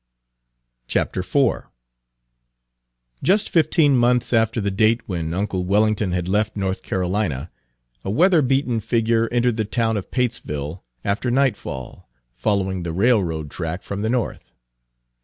Page 262 IV Just fifteen months after the date when uncle Wellington had left North Carolina, a weather beaten figure entered the town of Patesville after nightfall, following the railroad track from the north.